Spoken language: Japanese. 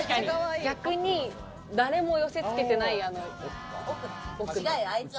逆に誰も寄せ付けてない、奥の。